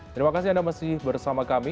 terima kasih anda masih bersama kami